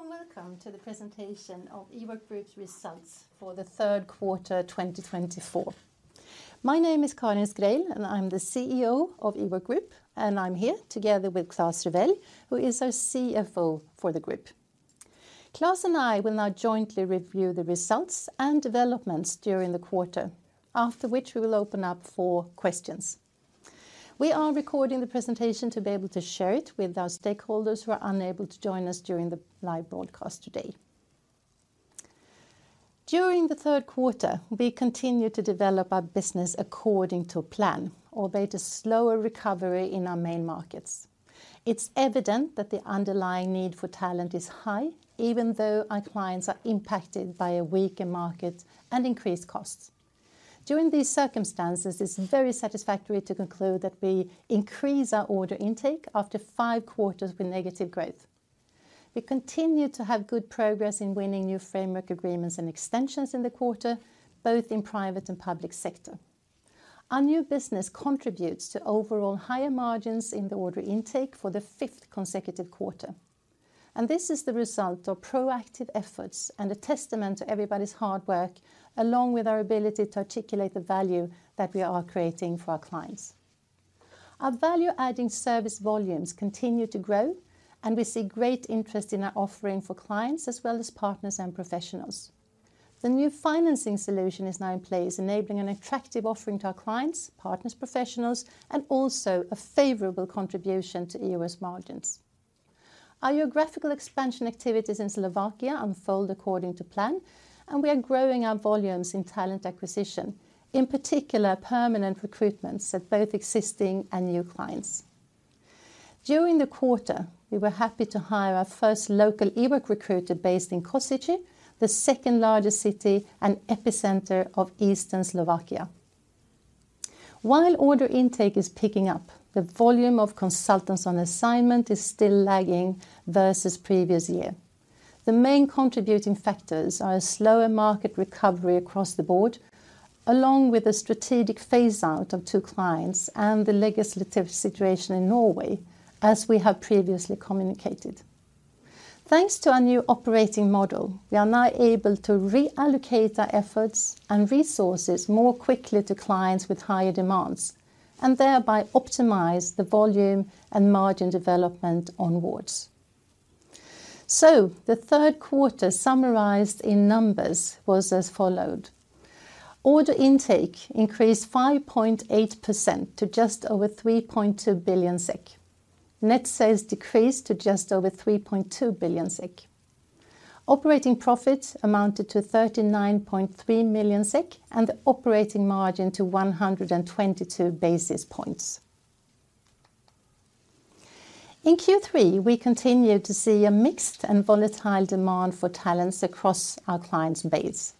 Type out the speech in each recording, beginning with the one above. A warm welcome to the presentation of Ework Group's results for the third quarter, twenty twenty-four. My name is Karin Schreil, and I'm the CEO of Ework Group, and I'm here together with Klas Rewelj, who is our CFO for the group. Klas and I will now jointly review the results and developments during the quarter, after which we will open up for questions. We are recording the presentation to be able to share it with our stakeholders who are unable to join us during the live broadcast today. During the third quarter, we continued to develop our business according to plan, albeit a slower recovery in our main markets. It's evident that the underlying need for talent is high, even though our clients are impacted by a weaker market and increased costs. During these circumstances, it's very satisfactory to conclude that we increase our order intake after five quarters with negative growth. We continue to have good progress in winning new framework agreements and extensions in the quarter, both in private and public sector. Our new business contributes to overall higher margins in the order intake for the fifth consecutive quarter, and this is the result of proactive efforts and a testament to everybody's hard work, along with our ability to articulate the value that we are creating for our clients. Our value-adding service volumes continue to grow, and we see great interest in our offering for clients as well as partners and professionals. The new financing solution is now in place, enabling an attractive offering to our clients, partners, professionals, and also a favorable contribution to EBIT margins. Our geographical expansion activities in Slovakia unfold according to plan, and we are growing our volumes in talent acquisition, in particular, permanent recruitments at both existing and new clients. During the quarter, we were happy to hire our first local Ework recruiter based in Kosice, the second largest city and epicenter of eastern Slovakia. While order intake is picking up, the volume of consultants on assignment is still lagging versus previous year. The main contributing factors are a slower market recovery across the board, along with a strategic phase-out of two clients and the legislative situation in Norway, as we have previously communicated. Thanks to our new operating model, we are now able to reallocate our efforts and resources more quickly to clients with higher demands, and thereby optimize the volume and margin development onwards. The third quarter, summarized in numbers, was as follows: Order intake increased 5.8% to just over 3.2 billion SEK. Net sales decreased to just over 3.2 billion SEK. Operating profits amounted to 39.3 million SEK, and the operating margin to 122 basis points. In Q3, we continued to see a mixed and volatile demand for talents across our client base.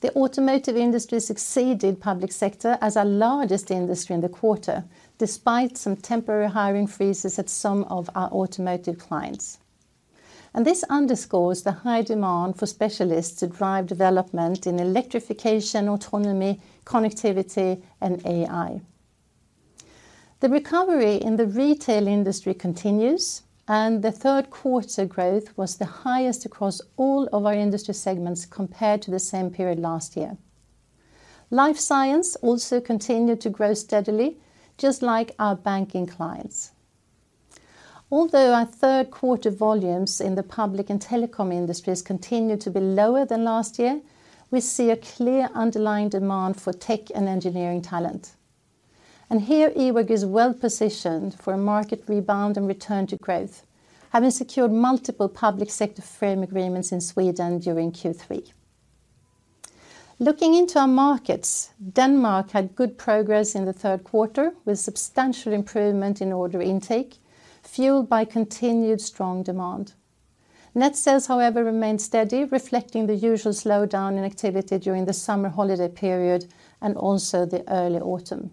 The automotive industry succeeded public sector as our largest industry in the quarter, despite some temporary hiring freezes at some of our automotive clients. This underscores the high demand for specialists to drive development in electrification, autonomy, connectivity, and AI. The recovery in the retail industry continues, and the third quarter growth was the highest across all of our industry segments compared to the same period last year. Life science also continued to grow steadily, just like our banking clients. Although our third quarter volumes in the public and telecom industries continued to be lower than last year, we see a clear underlying demand for tech and engineering talent, and here, Ework is well positioned for a market rebound and return to growth, having secured multiple public sector frame agreements in Sweden during Q3. Looking into our markets, Denmark had good progress in the third quarter, with substantial improvement in order intake, fueled by continued strong demand. Net sales, however, remained steady, reflecting the usual slowdown in activity during the summer holiday period and also the early autumn.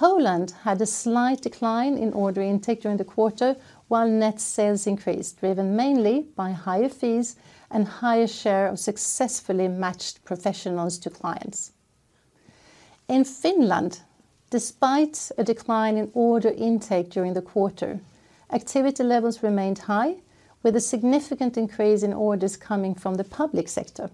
Poland had a slight decline in order intake during the quarter, while net sales increased, driven mainly by higher fees and higher share of successfully matched professionals to clients. In Finland, despite a decline in order intake during the quarter, activity levels remained high, with a significant increase in orders coming from the public sector.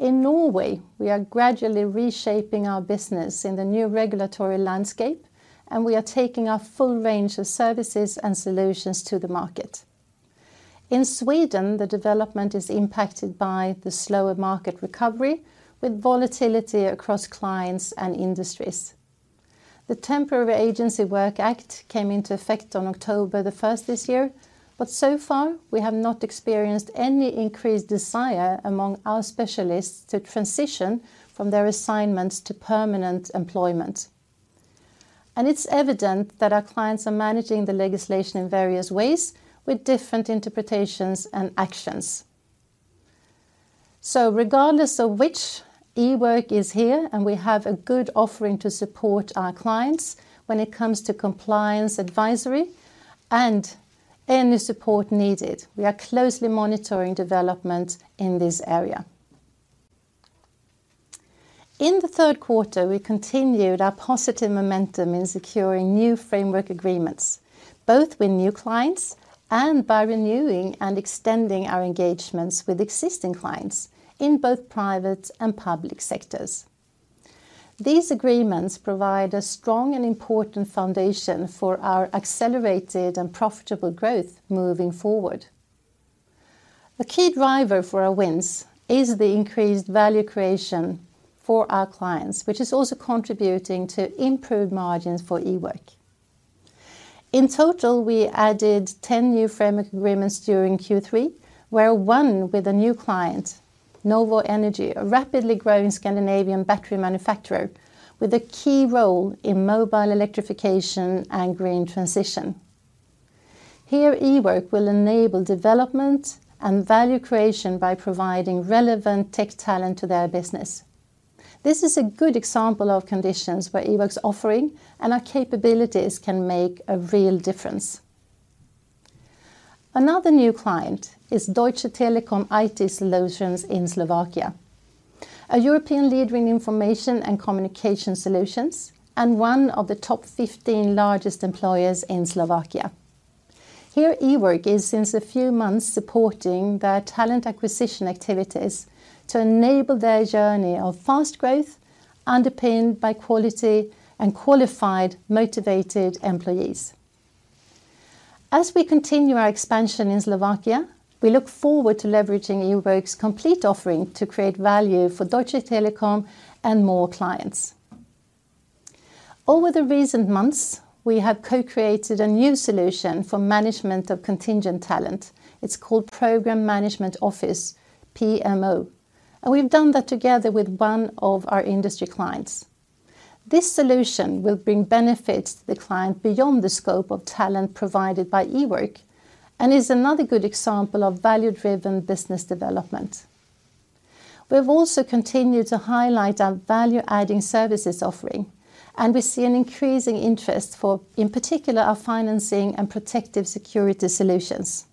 In Norway, we are gradually reshaping our business in the new regulatory landscape, and we are taking our full range of services and solutions to the market. In Sweden, the development is impacted by the slower market recovery, with volatility across clients and industries. The Temporary Agency Work Act came into effect on October the first this year, but so far we have not experienced any increased desire among our specialists to transition from their assignments to permanent employment, and it's evident that our clients are managing the legislation in various ways with different interpretations and actions, so regardless of which, Ework is here, and we have a good offering to support our clients when it comes to compliance, advisory, and any support needed. We are closely monitoring development in this area. In the third quarter, we continued our positive momentum in securing new framework agreements, both with new clients and by renewing and extending our engagements with existing clients in both private and public sectors. These agreements provide a strong and important foundation for our accelerated and profitable growth moving forward. The key driver for our wins is the increased value creation for our clients, which is also contributing to improved margins for Ework. In total, we added ten new framework agreements during Q3, where one with a new client, Novo Energy, a rapidly growing Scandinavian battery manufacturer with a key role in mobile electrification and green transition. Here, Ework will enable development and value creation by providing relevant tech talent to their business. This is a good example of conditions where Ework's offering and our capabilities can make a real difference. Another new client is Deutsche Telekom IT Solutions in Slovakia, a European leading information and communication solutions, and one of the top fifteen largest employers in Slovakia. Here, Ework is, since a few months, supporting their talent acquisition activities to enable their journey of fast growth, underpinned by quality and qualified, motivated employees. As we continue our expansion in Slovakia, we look forward to leveraging Ework's complete offering to create value for Deutsche Telekom and more clients. Over the recent months, we have co-created a new solution for management of contingent talent. It's called Program Management Office, PMO, and we've done that together with one of our industry clients. This solution will bring benefits to the client beyond the scope of talent provided by Ework, and is another good example of value-driven business development. We've also continued to highlight our value-adding services offering, and we see an increasing interest for, in particular, our financing and protective security solutions.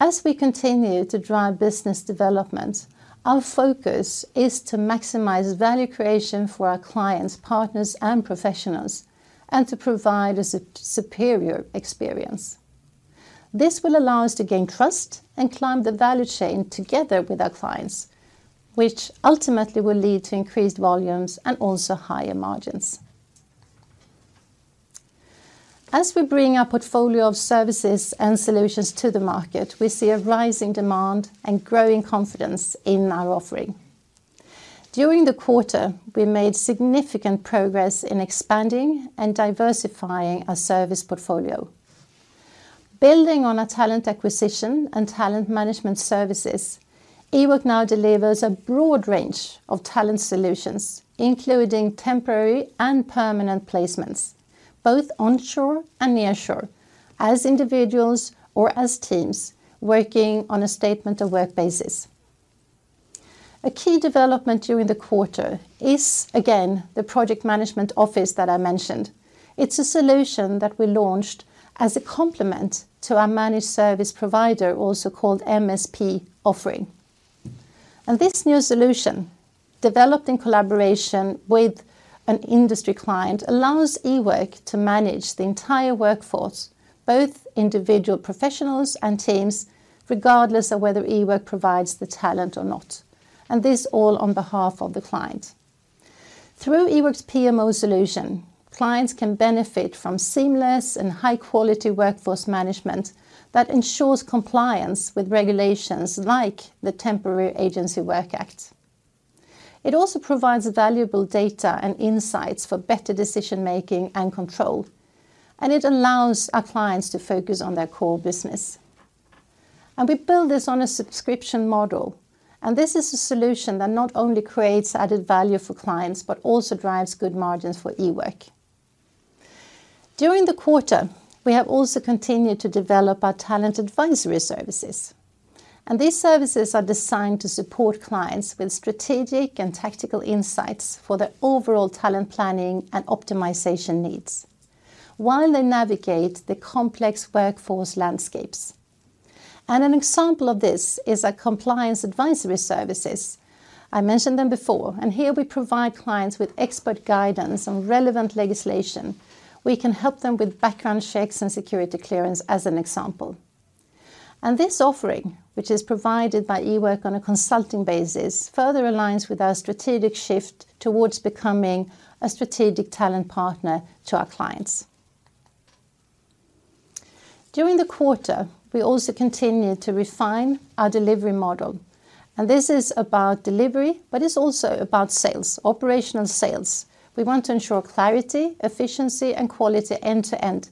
As we continue to drive business development, our focus is to maximize value creation for our clients, partners, and professionals, and to provide a superior experience. This will allow us to gain trust and climb the value chain together with our clients, which ultimately will lead to increased volumes and also higher margins. As we bring our portfolio of services and solutions to the market, we see a rising demand and growing confidence in our offering. During the quarter, we made significant progress in expanding and diversifying our service portfolio. Building on our talent acquisition and talent management services, Ework now delivers a broad range of talent solutions, including temporary and permanent placements, both onshore and nearshore, as individuals or as teams working on a Statement of Work basis. A key development during the quarter is, again, the Project Management Office that I mentioned. It's a solution that we launched as a complement to our Managed Service Provider, also called MSP offering. And this new solution, developed in collaboration with an industry client, allows Ework to manage the entire workforce, both individual professionals and teams, regardless of whether Ework provides the talent or not, and this all on behalf of the client. Through Ework's PMO solution, clients can benefit from seamless and high quality workforce management that ensures compliance with regulations like the Temporary Agency Work Act. It also provides valuable data and insights for better decision-making and control, and it allows our clients to focus on their core business. And we build this on a subscription model, and this is a solution that not only creates added value for clients, but also drives good margins for Ework. During the quarter, we have also continued to develop our talent advisory services, and these services are designed to support clients with strategic and tactical insights for their overall talent planning and optimization needs while they navigate the complex workforce landscapes. And an example of this is our compliance advisory services. I mentioned them before, and here we provide clients with expert guidance on relevant legislation. We can help them with background checks and security clearance, as an example. And this offering, which is provided by Ework on a consulting basis, further aligns with our strategic shift towards becoming a strategic talent partner to our clients. During the quarter, we also continued to refine our delivery model, and this is about delivery, but it's also about sales, operational sales. We want to ensure clarity, efficiency, and quality end to end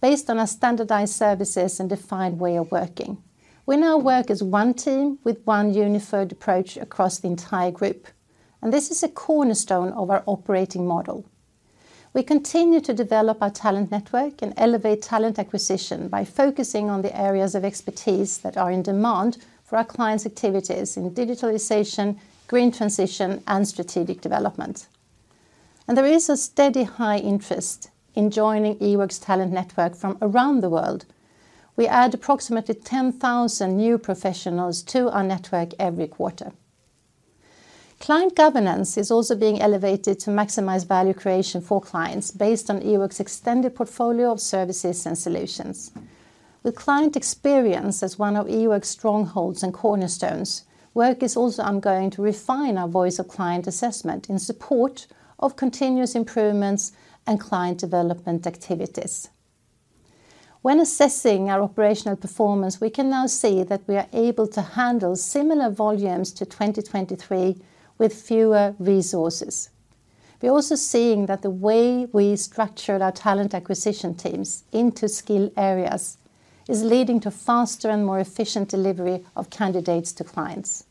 based on our standardized services and defined way of working. We now work as one team with one unified approach across the entire group, and this is a cornerstone of our operating model. We continue to develop our talent network and elevate talent acquisition by focusing on the areas of expertise that are in demand for our clients' activities in digitalization, green transition, and strategic development.... And there is a steady, high interest in joining Ework's talent network from around the world. We add approximately 10,000 new professionals to our network every quarter. Client governance is also being elevated to maximize value creation for clients based on Ework's extended portfolio of services and solutions. With client experience as one of Ework's strongholds and cornerstones, work is also ongoing to refine our Voice of Client assessment in support of continuous improvements and client development activities. When assessing our operational performance, we can now see that we are able to handle similar volumes to 2023 with fewer resources. We are also seeing that the way we structured our talent acquisition teams into skill areas is leading to faster and more efficient delivery of candidates to clients.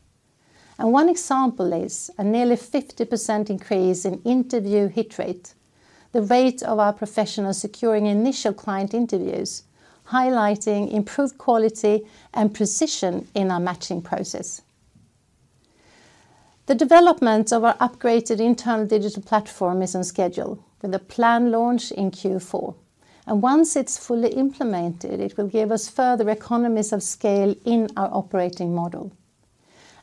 And one example is a nearly 50% increase in interview hit rate, the rate of our professionals securing initial client interviews, highlighting improved quality and precision in our matching process. The development of our upgraded internal digital platform is on schedule, with a planned launch in Q4. Once it's fully implemented, it will give us further economies of scale in our operating model.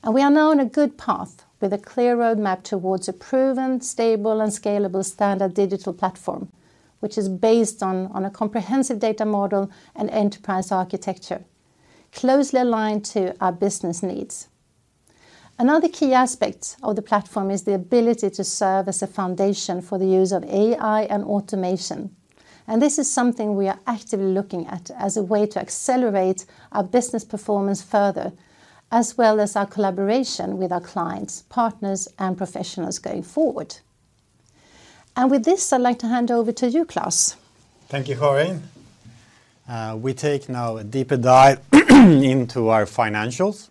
We are now on a good path with a clear roadmap towards a proven, stable, and scalable standard digital platform, which is based on a comprehensive data model and enterprise architecture, closely aligned to our business needs. Another key aspect of the platform is the ability to serve as a foundation for the use of AI and automation, and this is something we are actively looking at as a way to accelerate our business performance further, as well as our collaboration with our clients, partners, and professionals going forward. With this, I'd like to hand over to you, Klas. Thank you, Karin. We take now a deeper dive into our financials,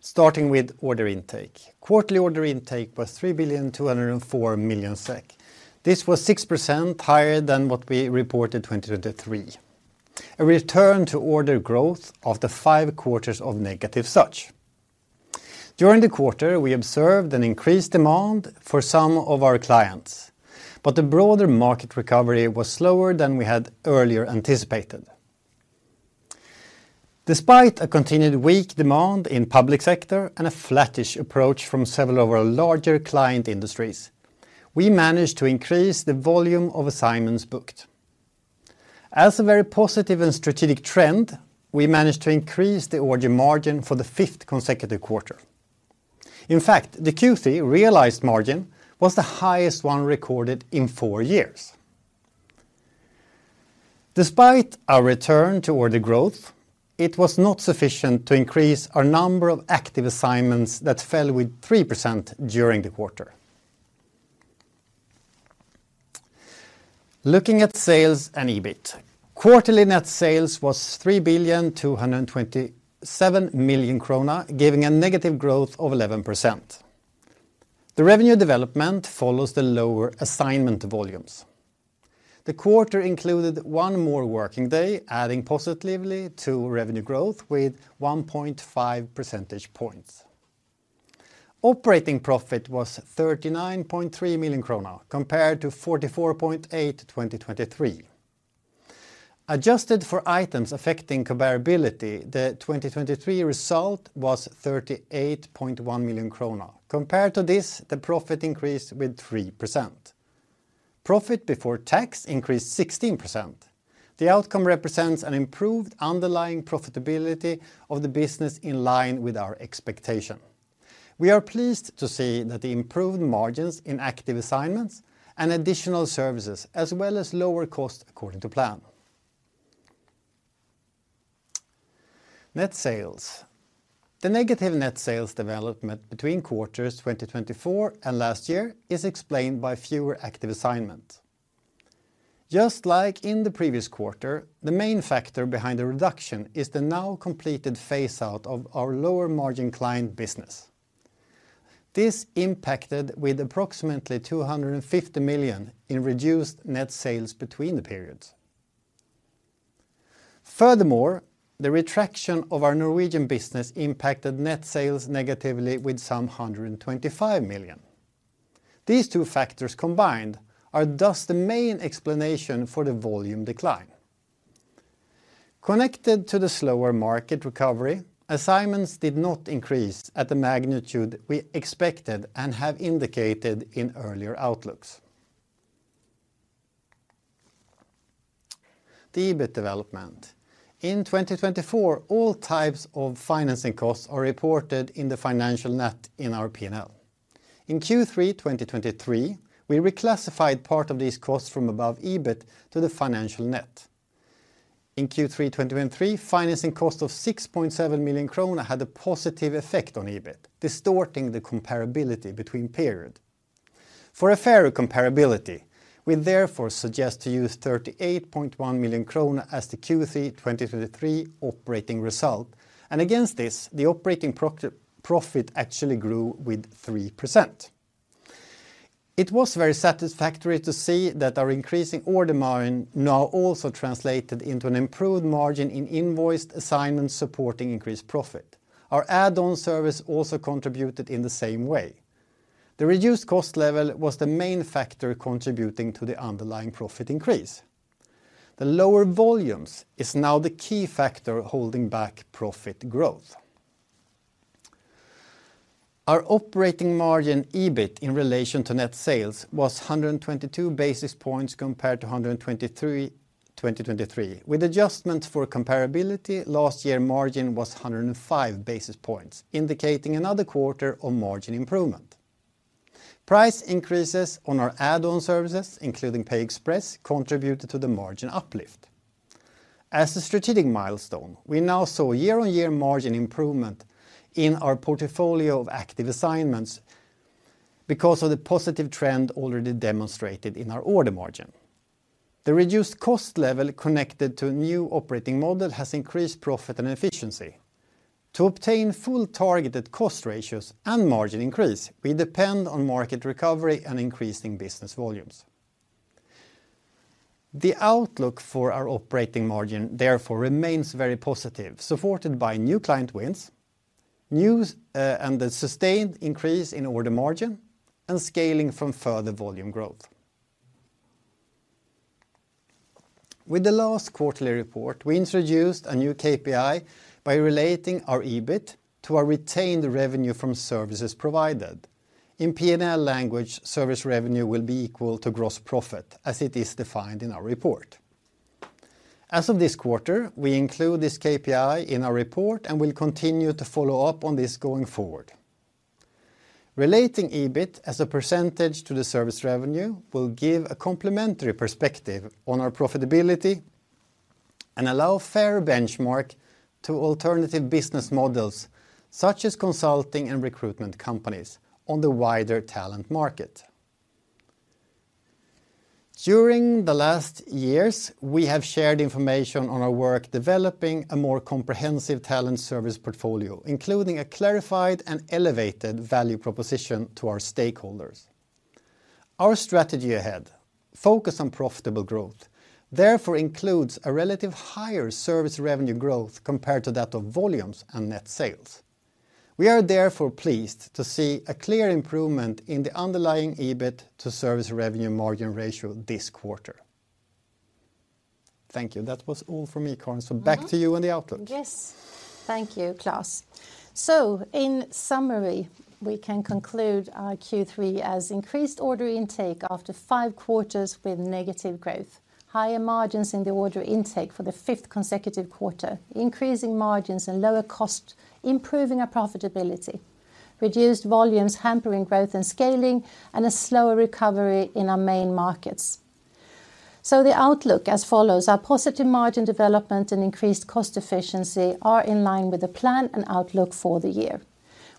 starting with order intake. Quarterly order intake was 3.204 billion SEK. This was 6% higher than what we reported 2023, a return to order growth after five quarters of negative such. During the quarter, we observed an increased demand for some of our clients, but the broader market recovery was slower than we had earlier anticipated. Despite a continued weak demand in public sector and a flattish approach from several of our larger client industries, we managed to increase the volume of assignments booked. As a very positive and strategic trend, we managed to increase the order margin for the fifth consecutive quarter. In fact, the Q3 realized margin was the highest one recorded in four years. Despite our return to order growth, it was not sufficient to increase our number of active assignments that fell with 3% during the quarter. Looking at sales and EBIT. Quarterly net sales was 3,227 million krona, giving a negative growth of 11%. The revenue development follows the lower assignment volumes. The quarter included one more working day, adding positively to revenue growth with 1.5 percentage points. Operating profit was 39.3 million krona, compared to 44.8, 2023. Adjusted for items affecting comparability, the 2023 result was 38.1 million krona. Compared to this, the profit increased with 3%. Profit before tax increased 16%. The outcome represents an improved underlying profitability of the business in line with our expectation. We are pleased to see that the improved margins in active assignments and additional services, as well as lower costs according to plan. Net sales. The negative net sales development between quarters 2024 and last year is explained by fewer active assignments. Just like in the previous quarter, the main factor behind the reduction is the now completed phase-out of our lower-margin client business. This impacted with approximately 250 million in reduced net sales between the periods. Furthermore, the retraction of our Norwegian business impacted net sales negatively with some 125 million. These two factors combined are thus the main explanation for the volume decline. Connected to the slower market recovery, assignments did not increase at the magnitude we expected and have indicated in earlier outlooks. The EBIT development. In 2024, all types of financing costs are reported in the financial net in our P&L. In Q3 2023, we reclassified part of these costs from above EBIT to the financial net. In Q3 2023, financing cost of 6.7 million krona had a positive effect on EBIT, distorting the comparability between periods. For a fairer comparability, we therefore suggest to use 38.1 million krona as the Q3 2023 operating result, and against this, the operating profit actually grew with 3%. It was very satisfactory to see that our increasing order margin now also translated into an improved margin in invoiced assignments supporting increased profit. Our add-on service also contributed in the same way. The reduced cost level was the main factor contributing to the underlying profit increase. The lower volumes is now the key factor holding back profit growth. Our operating margin, EBIT, in relation to net sales was 122 basis points compared to 123, 2023. With adjustments for comparability, last year margin was 105 basis points, indicating another quarter of margin improvement. Price increases on our add-on services, including PayExpress, contributed to the margin uplift. As a strategic milestone, we now saw year-on-year margin improvement in our portfolio of active assignments because of the positive trend already demonstrated in our order margin. The reduced cost level connected to a new operating model has increased profit and efficiency. To obtain full targeted cost ratios and margin increase, we depend on market recovery and increasing business volumes. The outlook for our operating margin therefore remains very positive, supported by new client wins, news, and the sustained increase in order margin, and scaling from further volume growth. With the last quarterly report, we introduced a new KPI by relating our EBIT to our retained revenue from services provided. In P&L language, service revenue will be equal to gross profit, as it is defined in our report. As of this quarter, we include this KPI in our report and will continue to follow up on this going forward. Relating EBIT as a percentage to the service revenue will give a complementary perspective on our profitability and allow fair benchmark to alternative business models, such as consulting and recruitment companies on the wider talent market. During the last years, we have shared information on our work, developing a more comprehensive talent service portfolio, including a clarified and elevated value proposition to our stakeholders. Our strategy ahead, focus on profitable growth, therefore includes a relative higher service revenue growth compared to that of volumes and net sales. We are therefore pleased to see a clear improvement in the underlying EBIT to service revenue margin ratio this quarter. Thank you. That was all from me, Karin. Back to you on the outlook. Yes. Thank you, Klas. So in summary, we can conclude our Q3 as increased order intake after five quarters with negative growth, higher margins in the order intake for the fifth consecutive quarter, increasing margins and lower cost, improving our profitability, reduced volumes, hampering growth and scaling, and a slower recovery in our main markets. So the outlook as follows, our positive margin development and increased cost efficiency are in line with the plan and outlook for the year.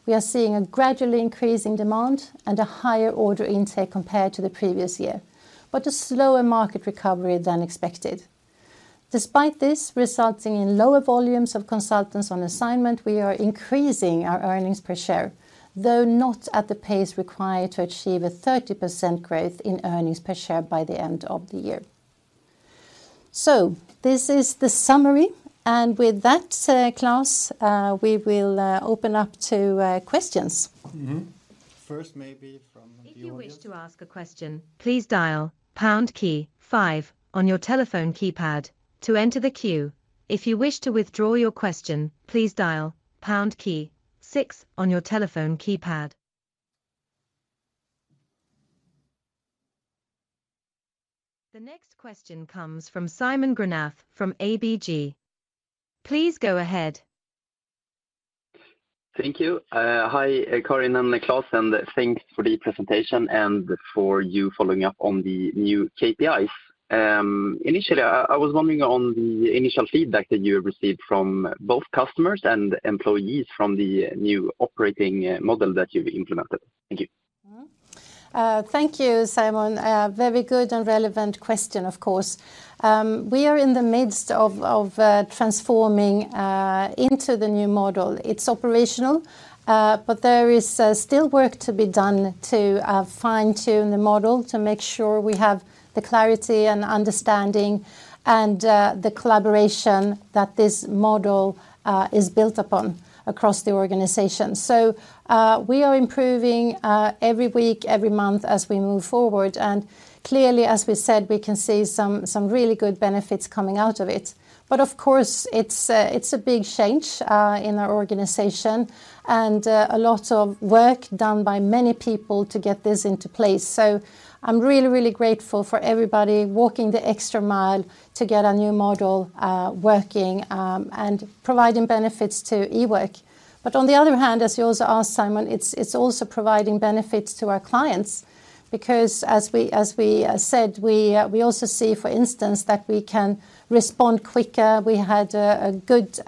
We are seeing a gradually increase in demand and a higher order intake compared to the previous year, but a slower market recovery than expected. Despite this, resulting in lower volumes of consultants on assignment, we are increasing our earnings per share, though not at the pace required to achieve a 30% growth in earnings per share by the end of the year. So this is the summary, and with that, Klas, we will open up to questions. Mm-hmm. First, maybe from the audience. If you wish to ask a question, please dial pound key five on your telephone keypad to enter the queue. If you wish to withdraw your question, please dial pound key six on your telephone keypad. The next question comes from Simon Granath from ABG. Please go ahead. Thank you. Hi, Karin and Klas, and thanks for the presentation and for you following up on the new KPIs. Initially, I was wondering on the initial feedback that you have received from both customers and employees from the new operating model that you've implemented. Thank you. Thank you, Simon. A very good and relevant question, of course. We are in the midst of transforming into the new model. It's operational, but there is still work to be done to fine-tune the model to make sure we have the clarity and understanding and the collaboration that this model is built upon across the organization. So, we are improving every week, every month as we move forward. And clearly, as we said, we can see some really good benefits coming out of it. But of course, it's a big change in our organization and a lot of work done by many people to get this into place. I'm really, really grateful for everybody walking the extra mile to get our new model working and providing benefits to Ework. But on the other hand, as you also asked, Simon, it's also providing benefits to our clients, because as we said, we also see, for instance, that we can respond quicker. We had a good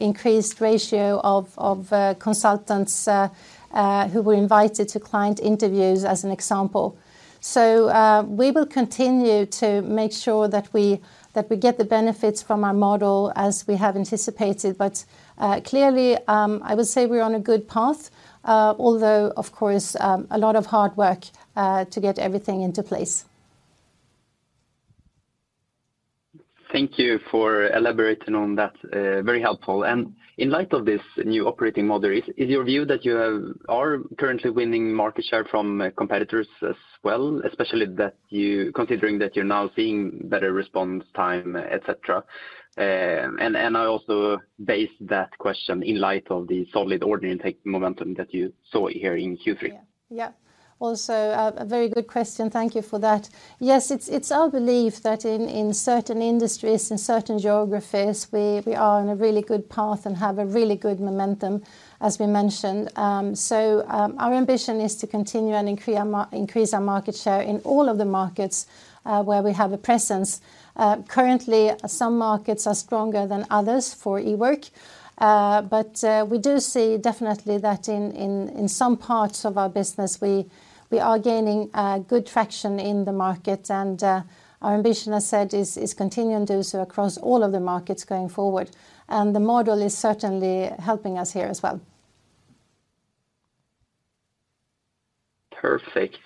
increased ratio of consultants who were invited to client interviews, as an example. So we will continue to make sure that we get the benefits from our model as we have anticipated. But clearly, I would say we're on a good path, although, of course, a lot of hard work to get everything into place. Thank you for elaborating on that, very helpful, and in light of this new operating model, is your view that you are currently winning market share from competitors as well, especially considering that you're now seeing better response time, et cetera? I also base that question in light of the solid order intake momentum that you saw here in Q3. Also, a very good question. Thank you for that. Yes, it's our belief that in certain industries, in certain geographies, we are on a really good path and have a really good momentum, as we mentioned. Our ambition is to continue and increase our market share in all of the markets where we have a presence. Currently, some markets are stronger than others for Ework, but we do see definitely that in some parts of our business, we are gaining good traction in the market. Our ambition, as I said, is continuing to do so across all of the markets going forward, and the model is certainly helping us here as well. Perfect.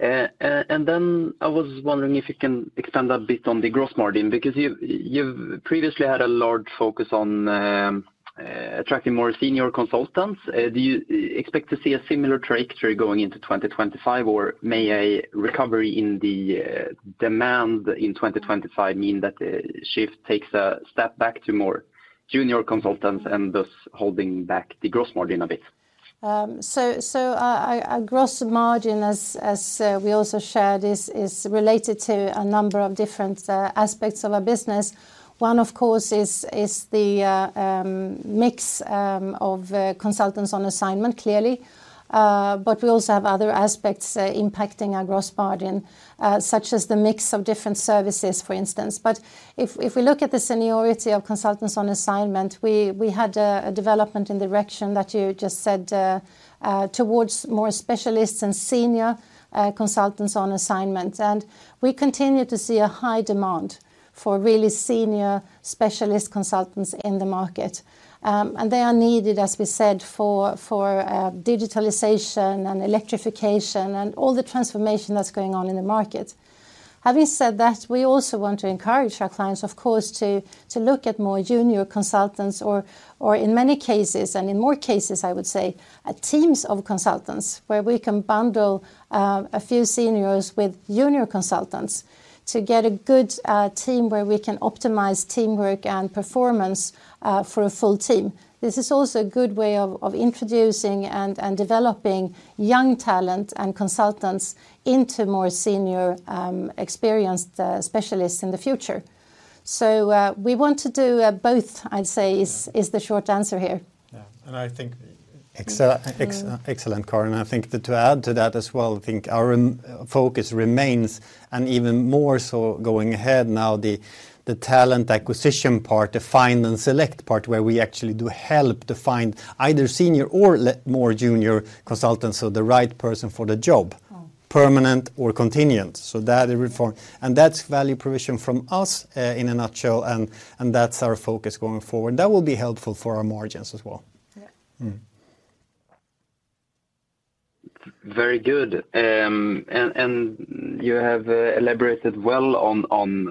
And then I was wondering if you can expand a bit on the gross margin, because you've previously had a large focus on attracting more senior consultants. Do you expect to see a similar trajectory going into 2025, or may a recovery in the demand in 2025 mean that the shift takes a step back to more junior consultants and thus holding back the gross margin a bit? So, our gross margin as we also shared, is related to a number of different aspects of our business. One, of course, is the mix of consultants on assignment, clearly. But we also have other aspects impacting our gross margin, such as the mix of different services, for instance. But if we look at the seniority of consultants on assignment, we had a development in the direction that you just said, towards more specialists and senior consultants on assignment. And we continue to see a high demand for really senior specialist consultants in the market. And they are needed, as we said, for digitalization and electrification and all the transformation that's going on in the market. Having said that, we also want to encourage our clients, of course, to look at more junior consultants or in many cases, and in more cases, I would say, teams of consultants, where we can bundle a few seniors with junior consultants to get a good team where we can optimize teamwork and performance for a full team. This is also a good way of introducing and developing young talent and consultants into more senior experienced specialists in the future. So, we want to do both, I'd say, is the short answer here. Yeah, and I think excellent, Karin. I think that to add to that as well, I think our focus remains, and even more so going ahead now, the talent acquisition part, the find and select part, where we actually do help to find either senior or more junior consultants, so the right person for the job, permanent or continuous. So that reform. And that's value provision from us, in a nutshell, and that's our focus going forward. That will be helpful for our margins as well. Very good. And you have elaborated well on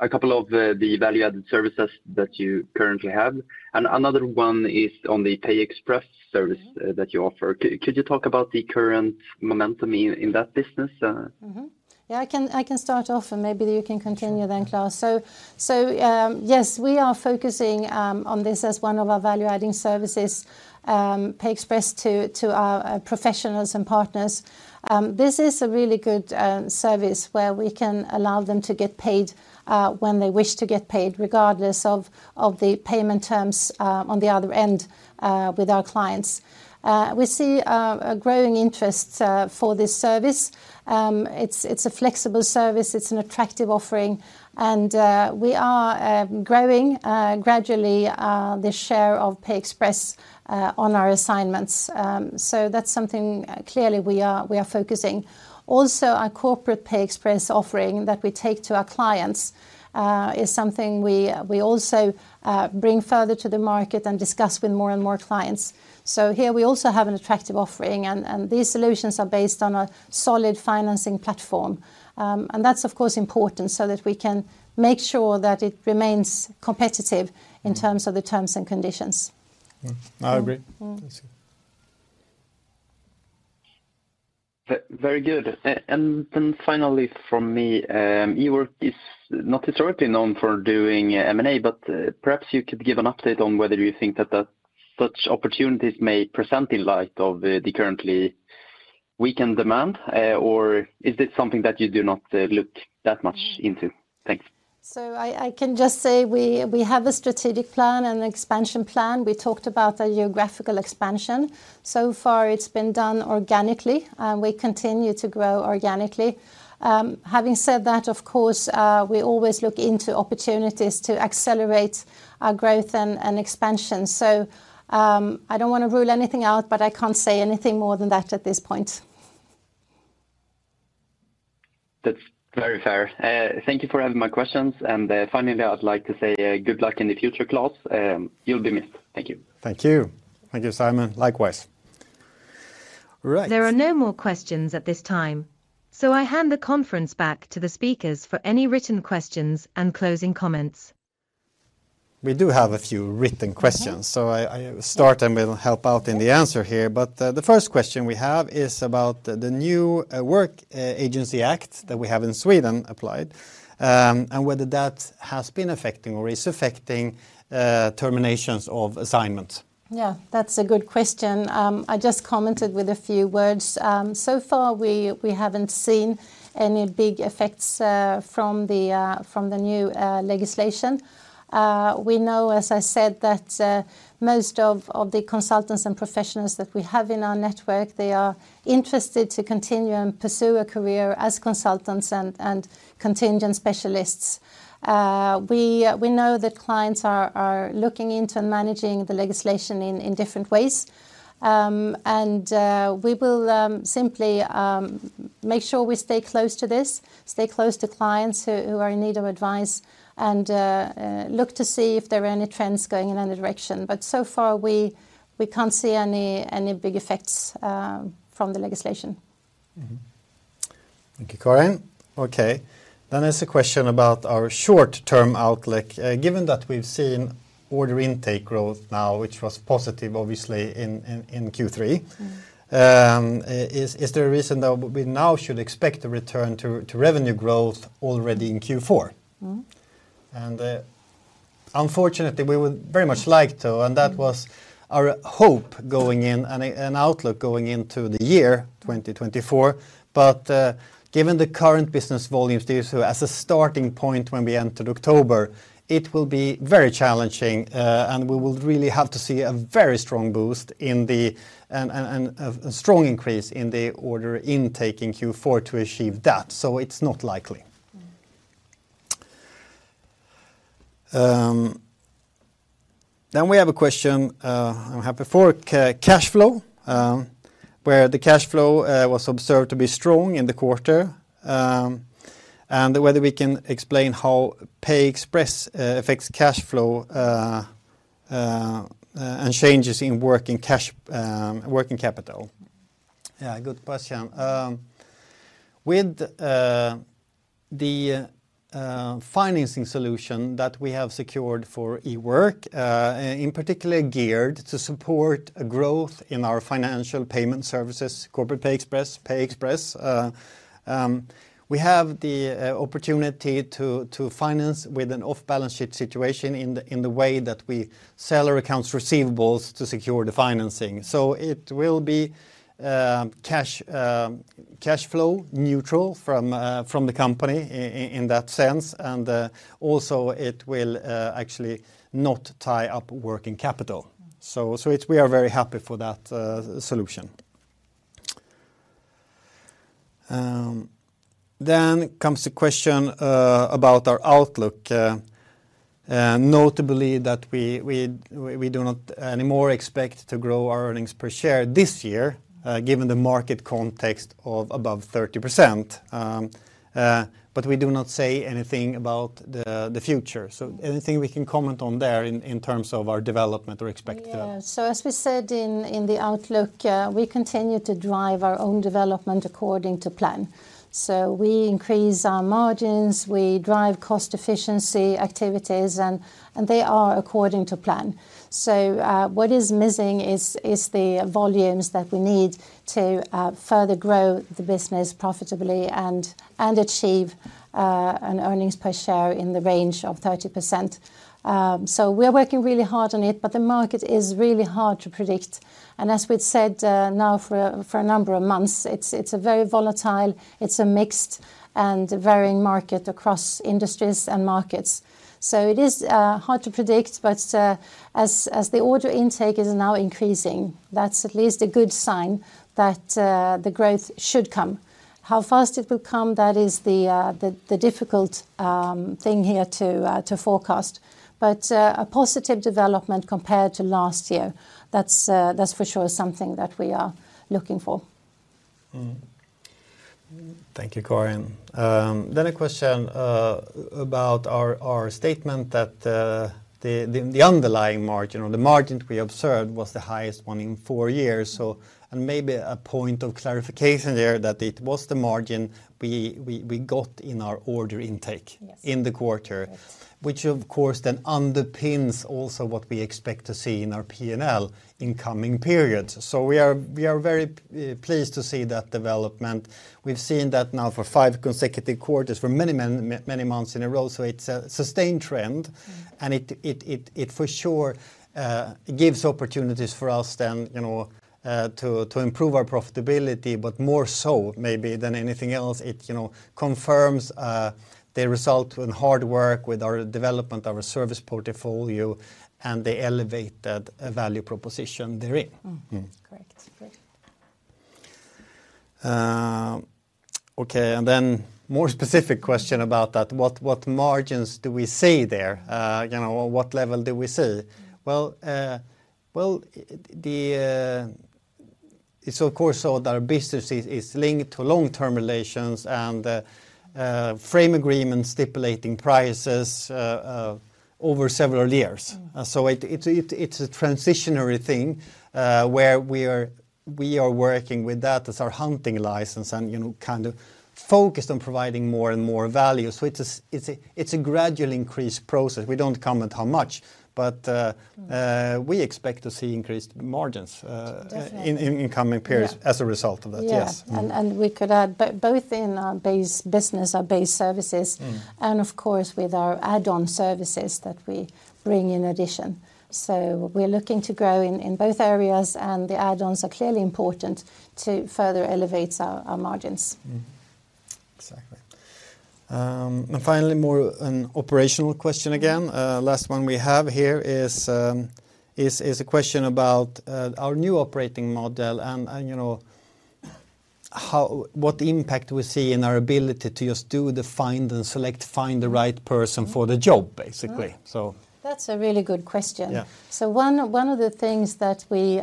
a couple of the value-added services that you currently have. And another one is on the PayExpress service that you offer. Could you talk about the current momentum in that business? Mm-hmm. Yeah, I can start off, and maybe you can continue then, Klas, so yes, we are focusing on this as one of our value-adding services, PayExpress, to our professionals and partners. This is a really good service, where we can allow them to get paid when they wish to get paid, regardless of the payment terms on the other end with our clients. We see a growing interest for this service. It's a flexible service, it's an attractive offering, and we are growing gradually the share of PayExpress on our assignments, so that's something clearly we are focusing. Also, our corporate PayExpress offering that we take to our clients is something we also bring further to the market and discuss with more and more clients. So here, we also have an attractive offering, and these solutions are based on a solid financing platform. And that's, of course, important, so that we can make sure that it remains competitive in terms of the terms and conditions. I agree. Mm-hmm. Very good. And then finally from me, Ework is not historically known for doing M&A, but perhaps you could give an update on whether you think that such opportunities may present in light of the currently weakened demand, or is this something that you do not look that much into? Thanks. So I can just say we have a strategic plan and expansion plan. We talked about a geographical expansion. So far, it's been done organically, and we continue to grow organically. Having said that, of course, we always look into opportunities to accelerate our growth and expansion. So, I don't wanna rule anything out, but I can't say anything more than that at this point. That's very fair. Thank you for having my questions, and finally, I'd like to say good luck in the future, Klas. You'll be missed. Thank you. Thank you. Thank you, Simon. Likewise. There are no more questions at this time, so I hand the conference back to the speakers for any written questions and closing comments. We do have a few written questions. Mm-hmm. So I start and will help out in the answer here. But the first question we have is about the new Temporary Agency Work Act that we have in Sweden applied, and whether that has been affecting or is affecting terminations of assignments. Yeah, that's a good question. I just commented with a few words, so far we haven't seen any big effects from the new legislation. We know, as I said, that most of the consultants and professionals that we have in our network, they are interested to continue and pursue a career as consultants and contingent specialists. We know that clients are looking into managing the legislation in different ways, and we will simply make sure we stay close to this, stay close to clients who are in need of advice, and look to see if there are any trends going in any direction, but so far, we can't see any big effects from the legislation. Thank you, Karin. Okay, then there's a question about our short-term outlook. Given that we've seen order intake growth now, which was positive, obviously, in Q3. Is there a reason that we now should expect a return to revenue growth already in Q4? Mm-hmm. Unfortunately, we would very much like to, and that was our hope going in and outlook going into the year 2024, but given the current business volumes, this was as a starting point when we entered October, it will be very challenging, and we will really have to see a very strong boost and a strong increase in the order intake in Q4 to achieve that, so it's not likely. Mm-hmm. Then we have a question, I'm happy for. Cash flow, where the cash flow was observed to be strong in the quarter, and whether we can explain how PayExpress affects cash flow, and changes in working cash- working capital. Yeah, good question. With the financing solution that we have secured for Ework, in particular, geared to support a growth in our financial payment services, Corporate PayExpress, PayExpress, we have the opportunity to finance with an off-balance sheet situation in the way that we sell our accounts receivables to secure the financing. So it will be cash flow neutral from the company in that sense, and also it will actually not tie up working capital. So it's we are very happy for that solution. Then comes the question about our outlook, and notably that we do not anymore expect to grow our earnings per share this year, given the market context of above 30%. But we do not say anything about the future. So anything we can comment on there in terms of our development or expectation. Yeah. So as we said in the outlook, we continue to drive our own development according to plan. So we increase our margins, we drive cost efficiency activities, and they are according to plan. So what is missing is the volumes that we need to further grow the business profitably and achieve an earnings per share in the range of 30%. So we are working really hard on it, but the market is really hard to predict. And as we've said now for a number of months, it's a very volatile, mixed and varying market across industries and markets. So it is hard to predict, but as the order intake is now increasing, that's at least a good sign that the growth should come. How fast it will come, that is the difficult thing here to forecast. But, a positive development compared to last year, that's for sure is something that we are looking for. Mm-hmm. Thank you, Karin. Then a question about our statement that the underlying margin or the margin we observed was the highest one in four years. So, maybe a point of clarification there, that it was the margin we got in our order intake in the quarter. Which of course, then underpins also what we expect to see in our P&L in coming periods. So we are very pleased to see that development. We've seen that now for five consecutive quarters, for many, many, many months in a row, so it's a sustained trend. It for sure gives opportunities for us then, you know, to improve our profitability, but more so maybe than anything else, it you know confirms the result and hard work with our development, our service portfolio, and the elevated value proposition therein. Mm-hmm. Mm-hmm. Correct. Correct. Okay, and then more specific question about that. What, what margins do we see there? You know, what level do we see? Well, so of course, our business is linked to long-term relations and frame agreements stipulating prices over several years. So it's a transitionary thing where we are working with that as our hunting license and, you know, kind of focused on providing more and more value. So it's a gradual increase process. We don't comment how much, but we expect to see increased margins... Definitely.... in coming periods as a result of that. Yes. Yeah. We could add both in our base business, our base services and, of course, with our add-on services that we bring in addition. So we're looking to grow in both areas, and the add-ons are clearly important to further elevate our margins. Mm-hmm. Exactly. And finally, more an operational question again. Last one we have here is a question about our new operating model and, you know, what impact we see in our ability to just do the find and select, find the right person for the job, basically. Right. So. That's a really good question. Yeah. So one of the things that we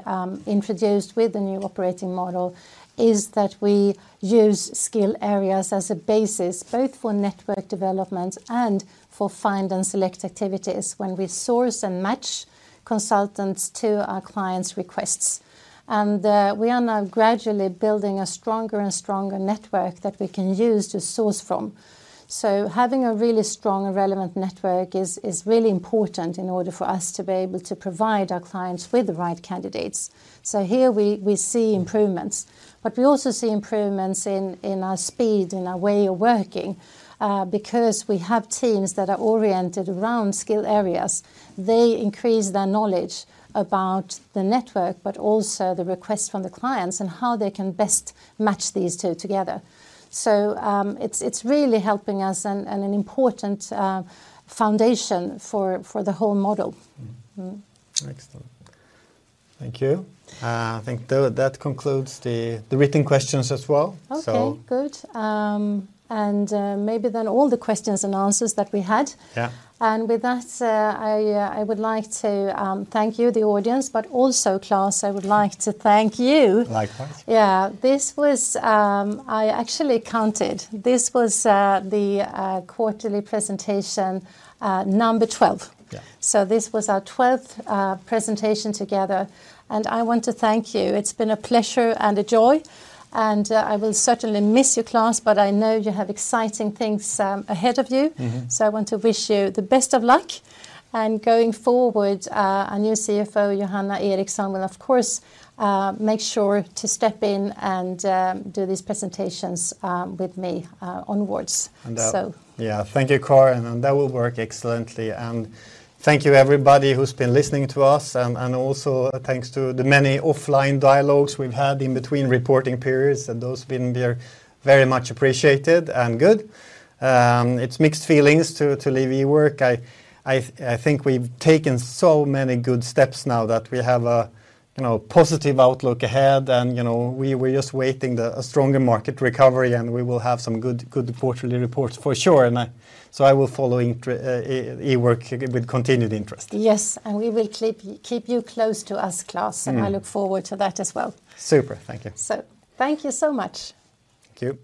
introduced with the new operating model is that we use skill areas as a basis, both for network development and for find and select activities when we source and match consultants to our clients' requests. And we are now gradually building a stronger and stronger network that we can use to source from. So having a really strong and relevant network is really important in order for us to be able to provide our clients with the right candidates. So here we see improvements. But we also see improvements in our speed, in our way of working. Because we have teams that are oriented around skill areas, they increase their knowledge about the network, but also the request from the clients and how they can best match these two together. It's really helping us, and an important foundation for the whole model. Mm-hmm. Mm-hmm. Excellent. Thank you. I think that concludes the written questions as well. Okay, good. And maybe then all the questions and answers that we had. Yeah. And with that, I would like to thank you, the audience, but also, Klas, I would like to thank you. Likewise. Yeah. I actually counted. This was the quarterly presentation, number 12. Yeah. So this was our 12th presentation together, and I want to thank you. It's been a pleasure and a joy, and I will certainly miss you, Klas, but I know you have exciting things ahead of you. Mm-hmm. I want to wish you the best of luck. Going forward, our new CFO, Johanna Eriksson, will, of course, make sure to step in and do these presentations with me onwards. Yeah. Thank you, Karin, and that will work excellently. And thank you everybody who's been listening to us, and also thanks to the many offline dialogues we've had in between reporting periods, and those have been very, very much appreciated and good. It's mixed feelings to leave Ework. I think we've taken so many good steps now that we have a positive outlook ahead, and we are just waiting for a stronger market recovery, and we will have some good quarterly reports for sure. So I will follow Ework with continued interest. Yes, and we will keep you close to us, Klas. Mm-hmm. I look forward to that as well. Super. Thank you. So thank you so much. Thank you.